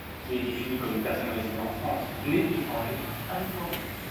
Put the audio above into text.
Est défini comme une personne résidant en France, né étranger à l'étranger.